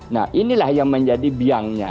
nah inilah yang menjadi biangnya